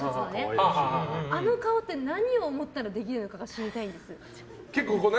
あの顔って何を思ったらできるのか知りたいんです。